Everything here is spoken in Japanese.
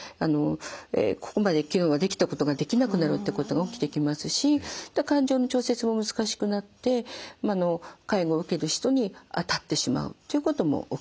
ここまで昨日はできたことができなくなるってことが起きてきますし感情の調節も難しくなって介護を受ける人にあたってしまうということも起きてきます。